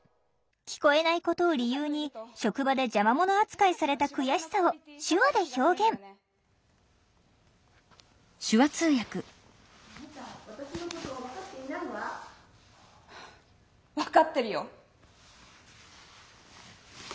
聞こえないことを理由に職場で邪魔者扱いされた悔しさを手話で表現「分かってるよ」。